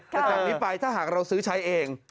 แต่จากนี้ไปถ้าหากเราซื้อใช้เอง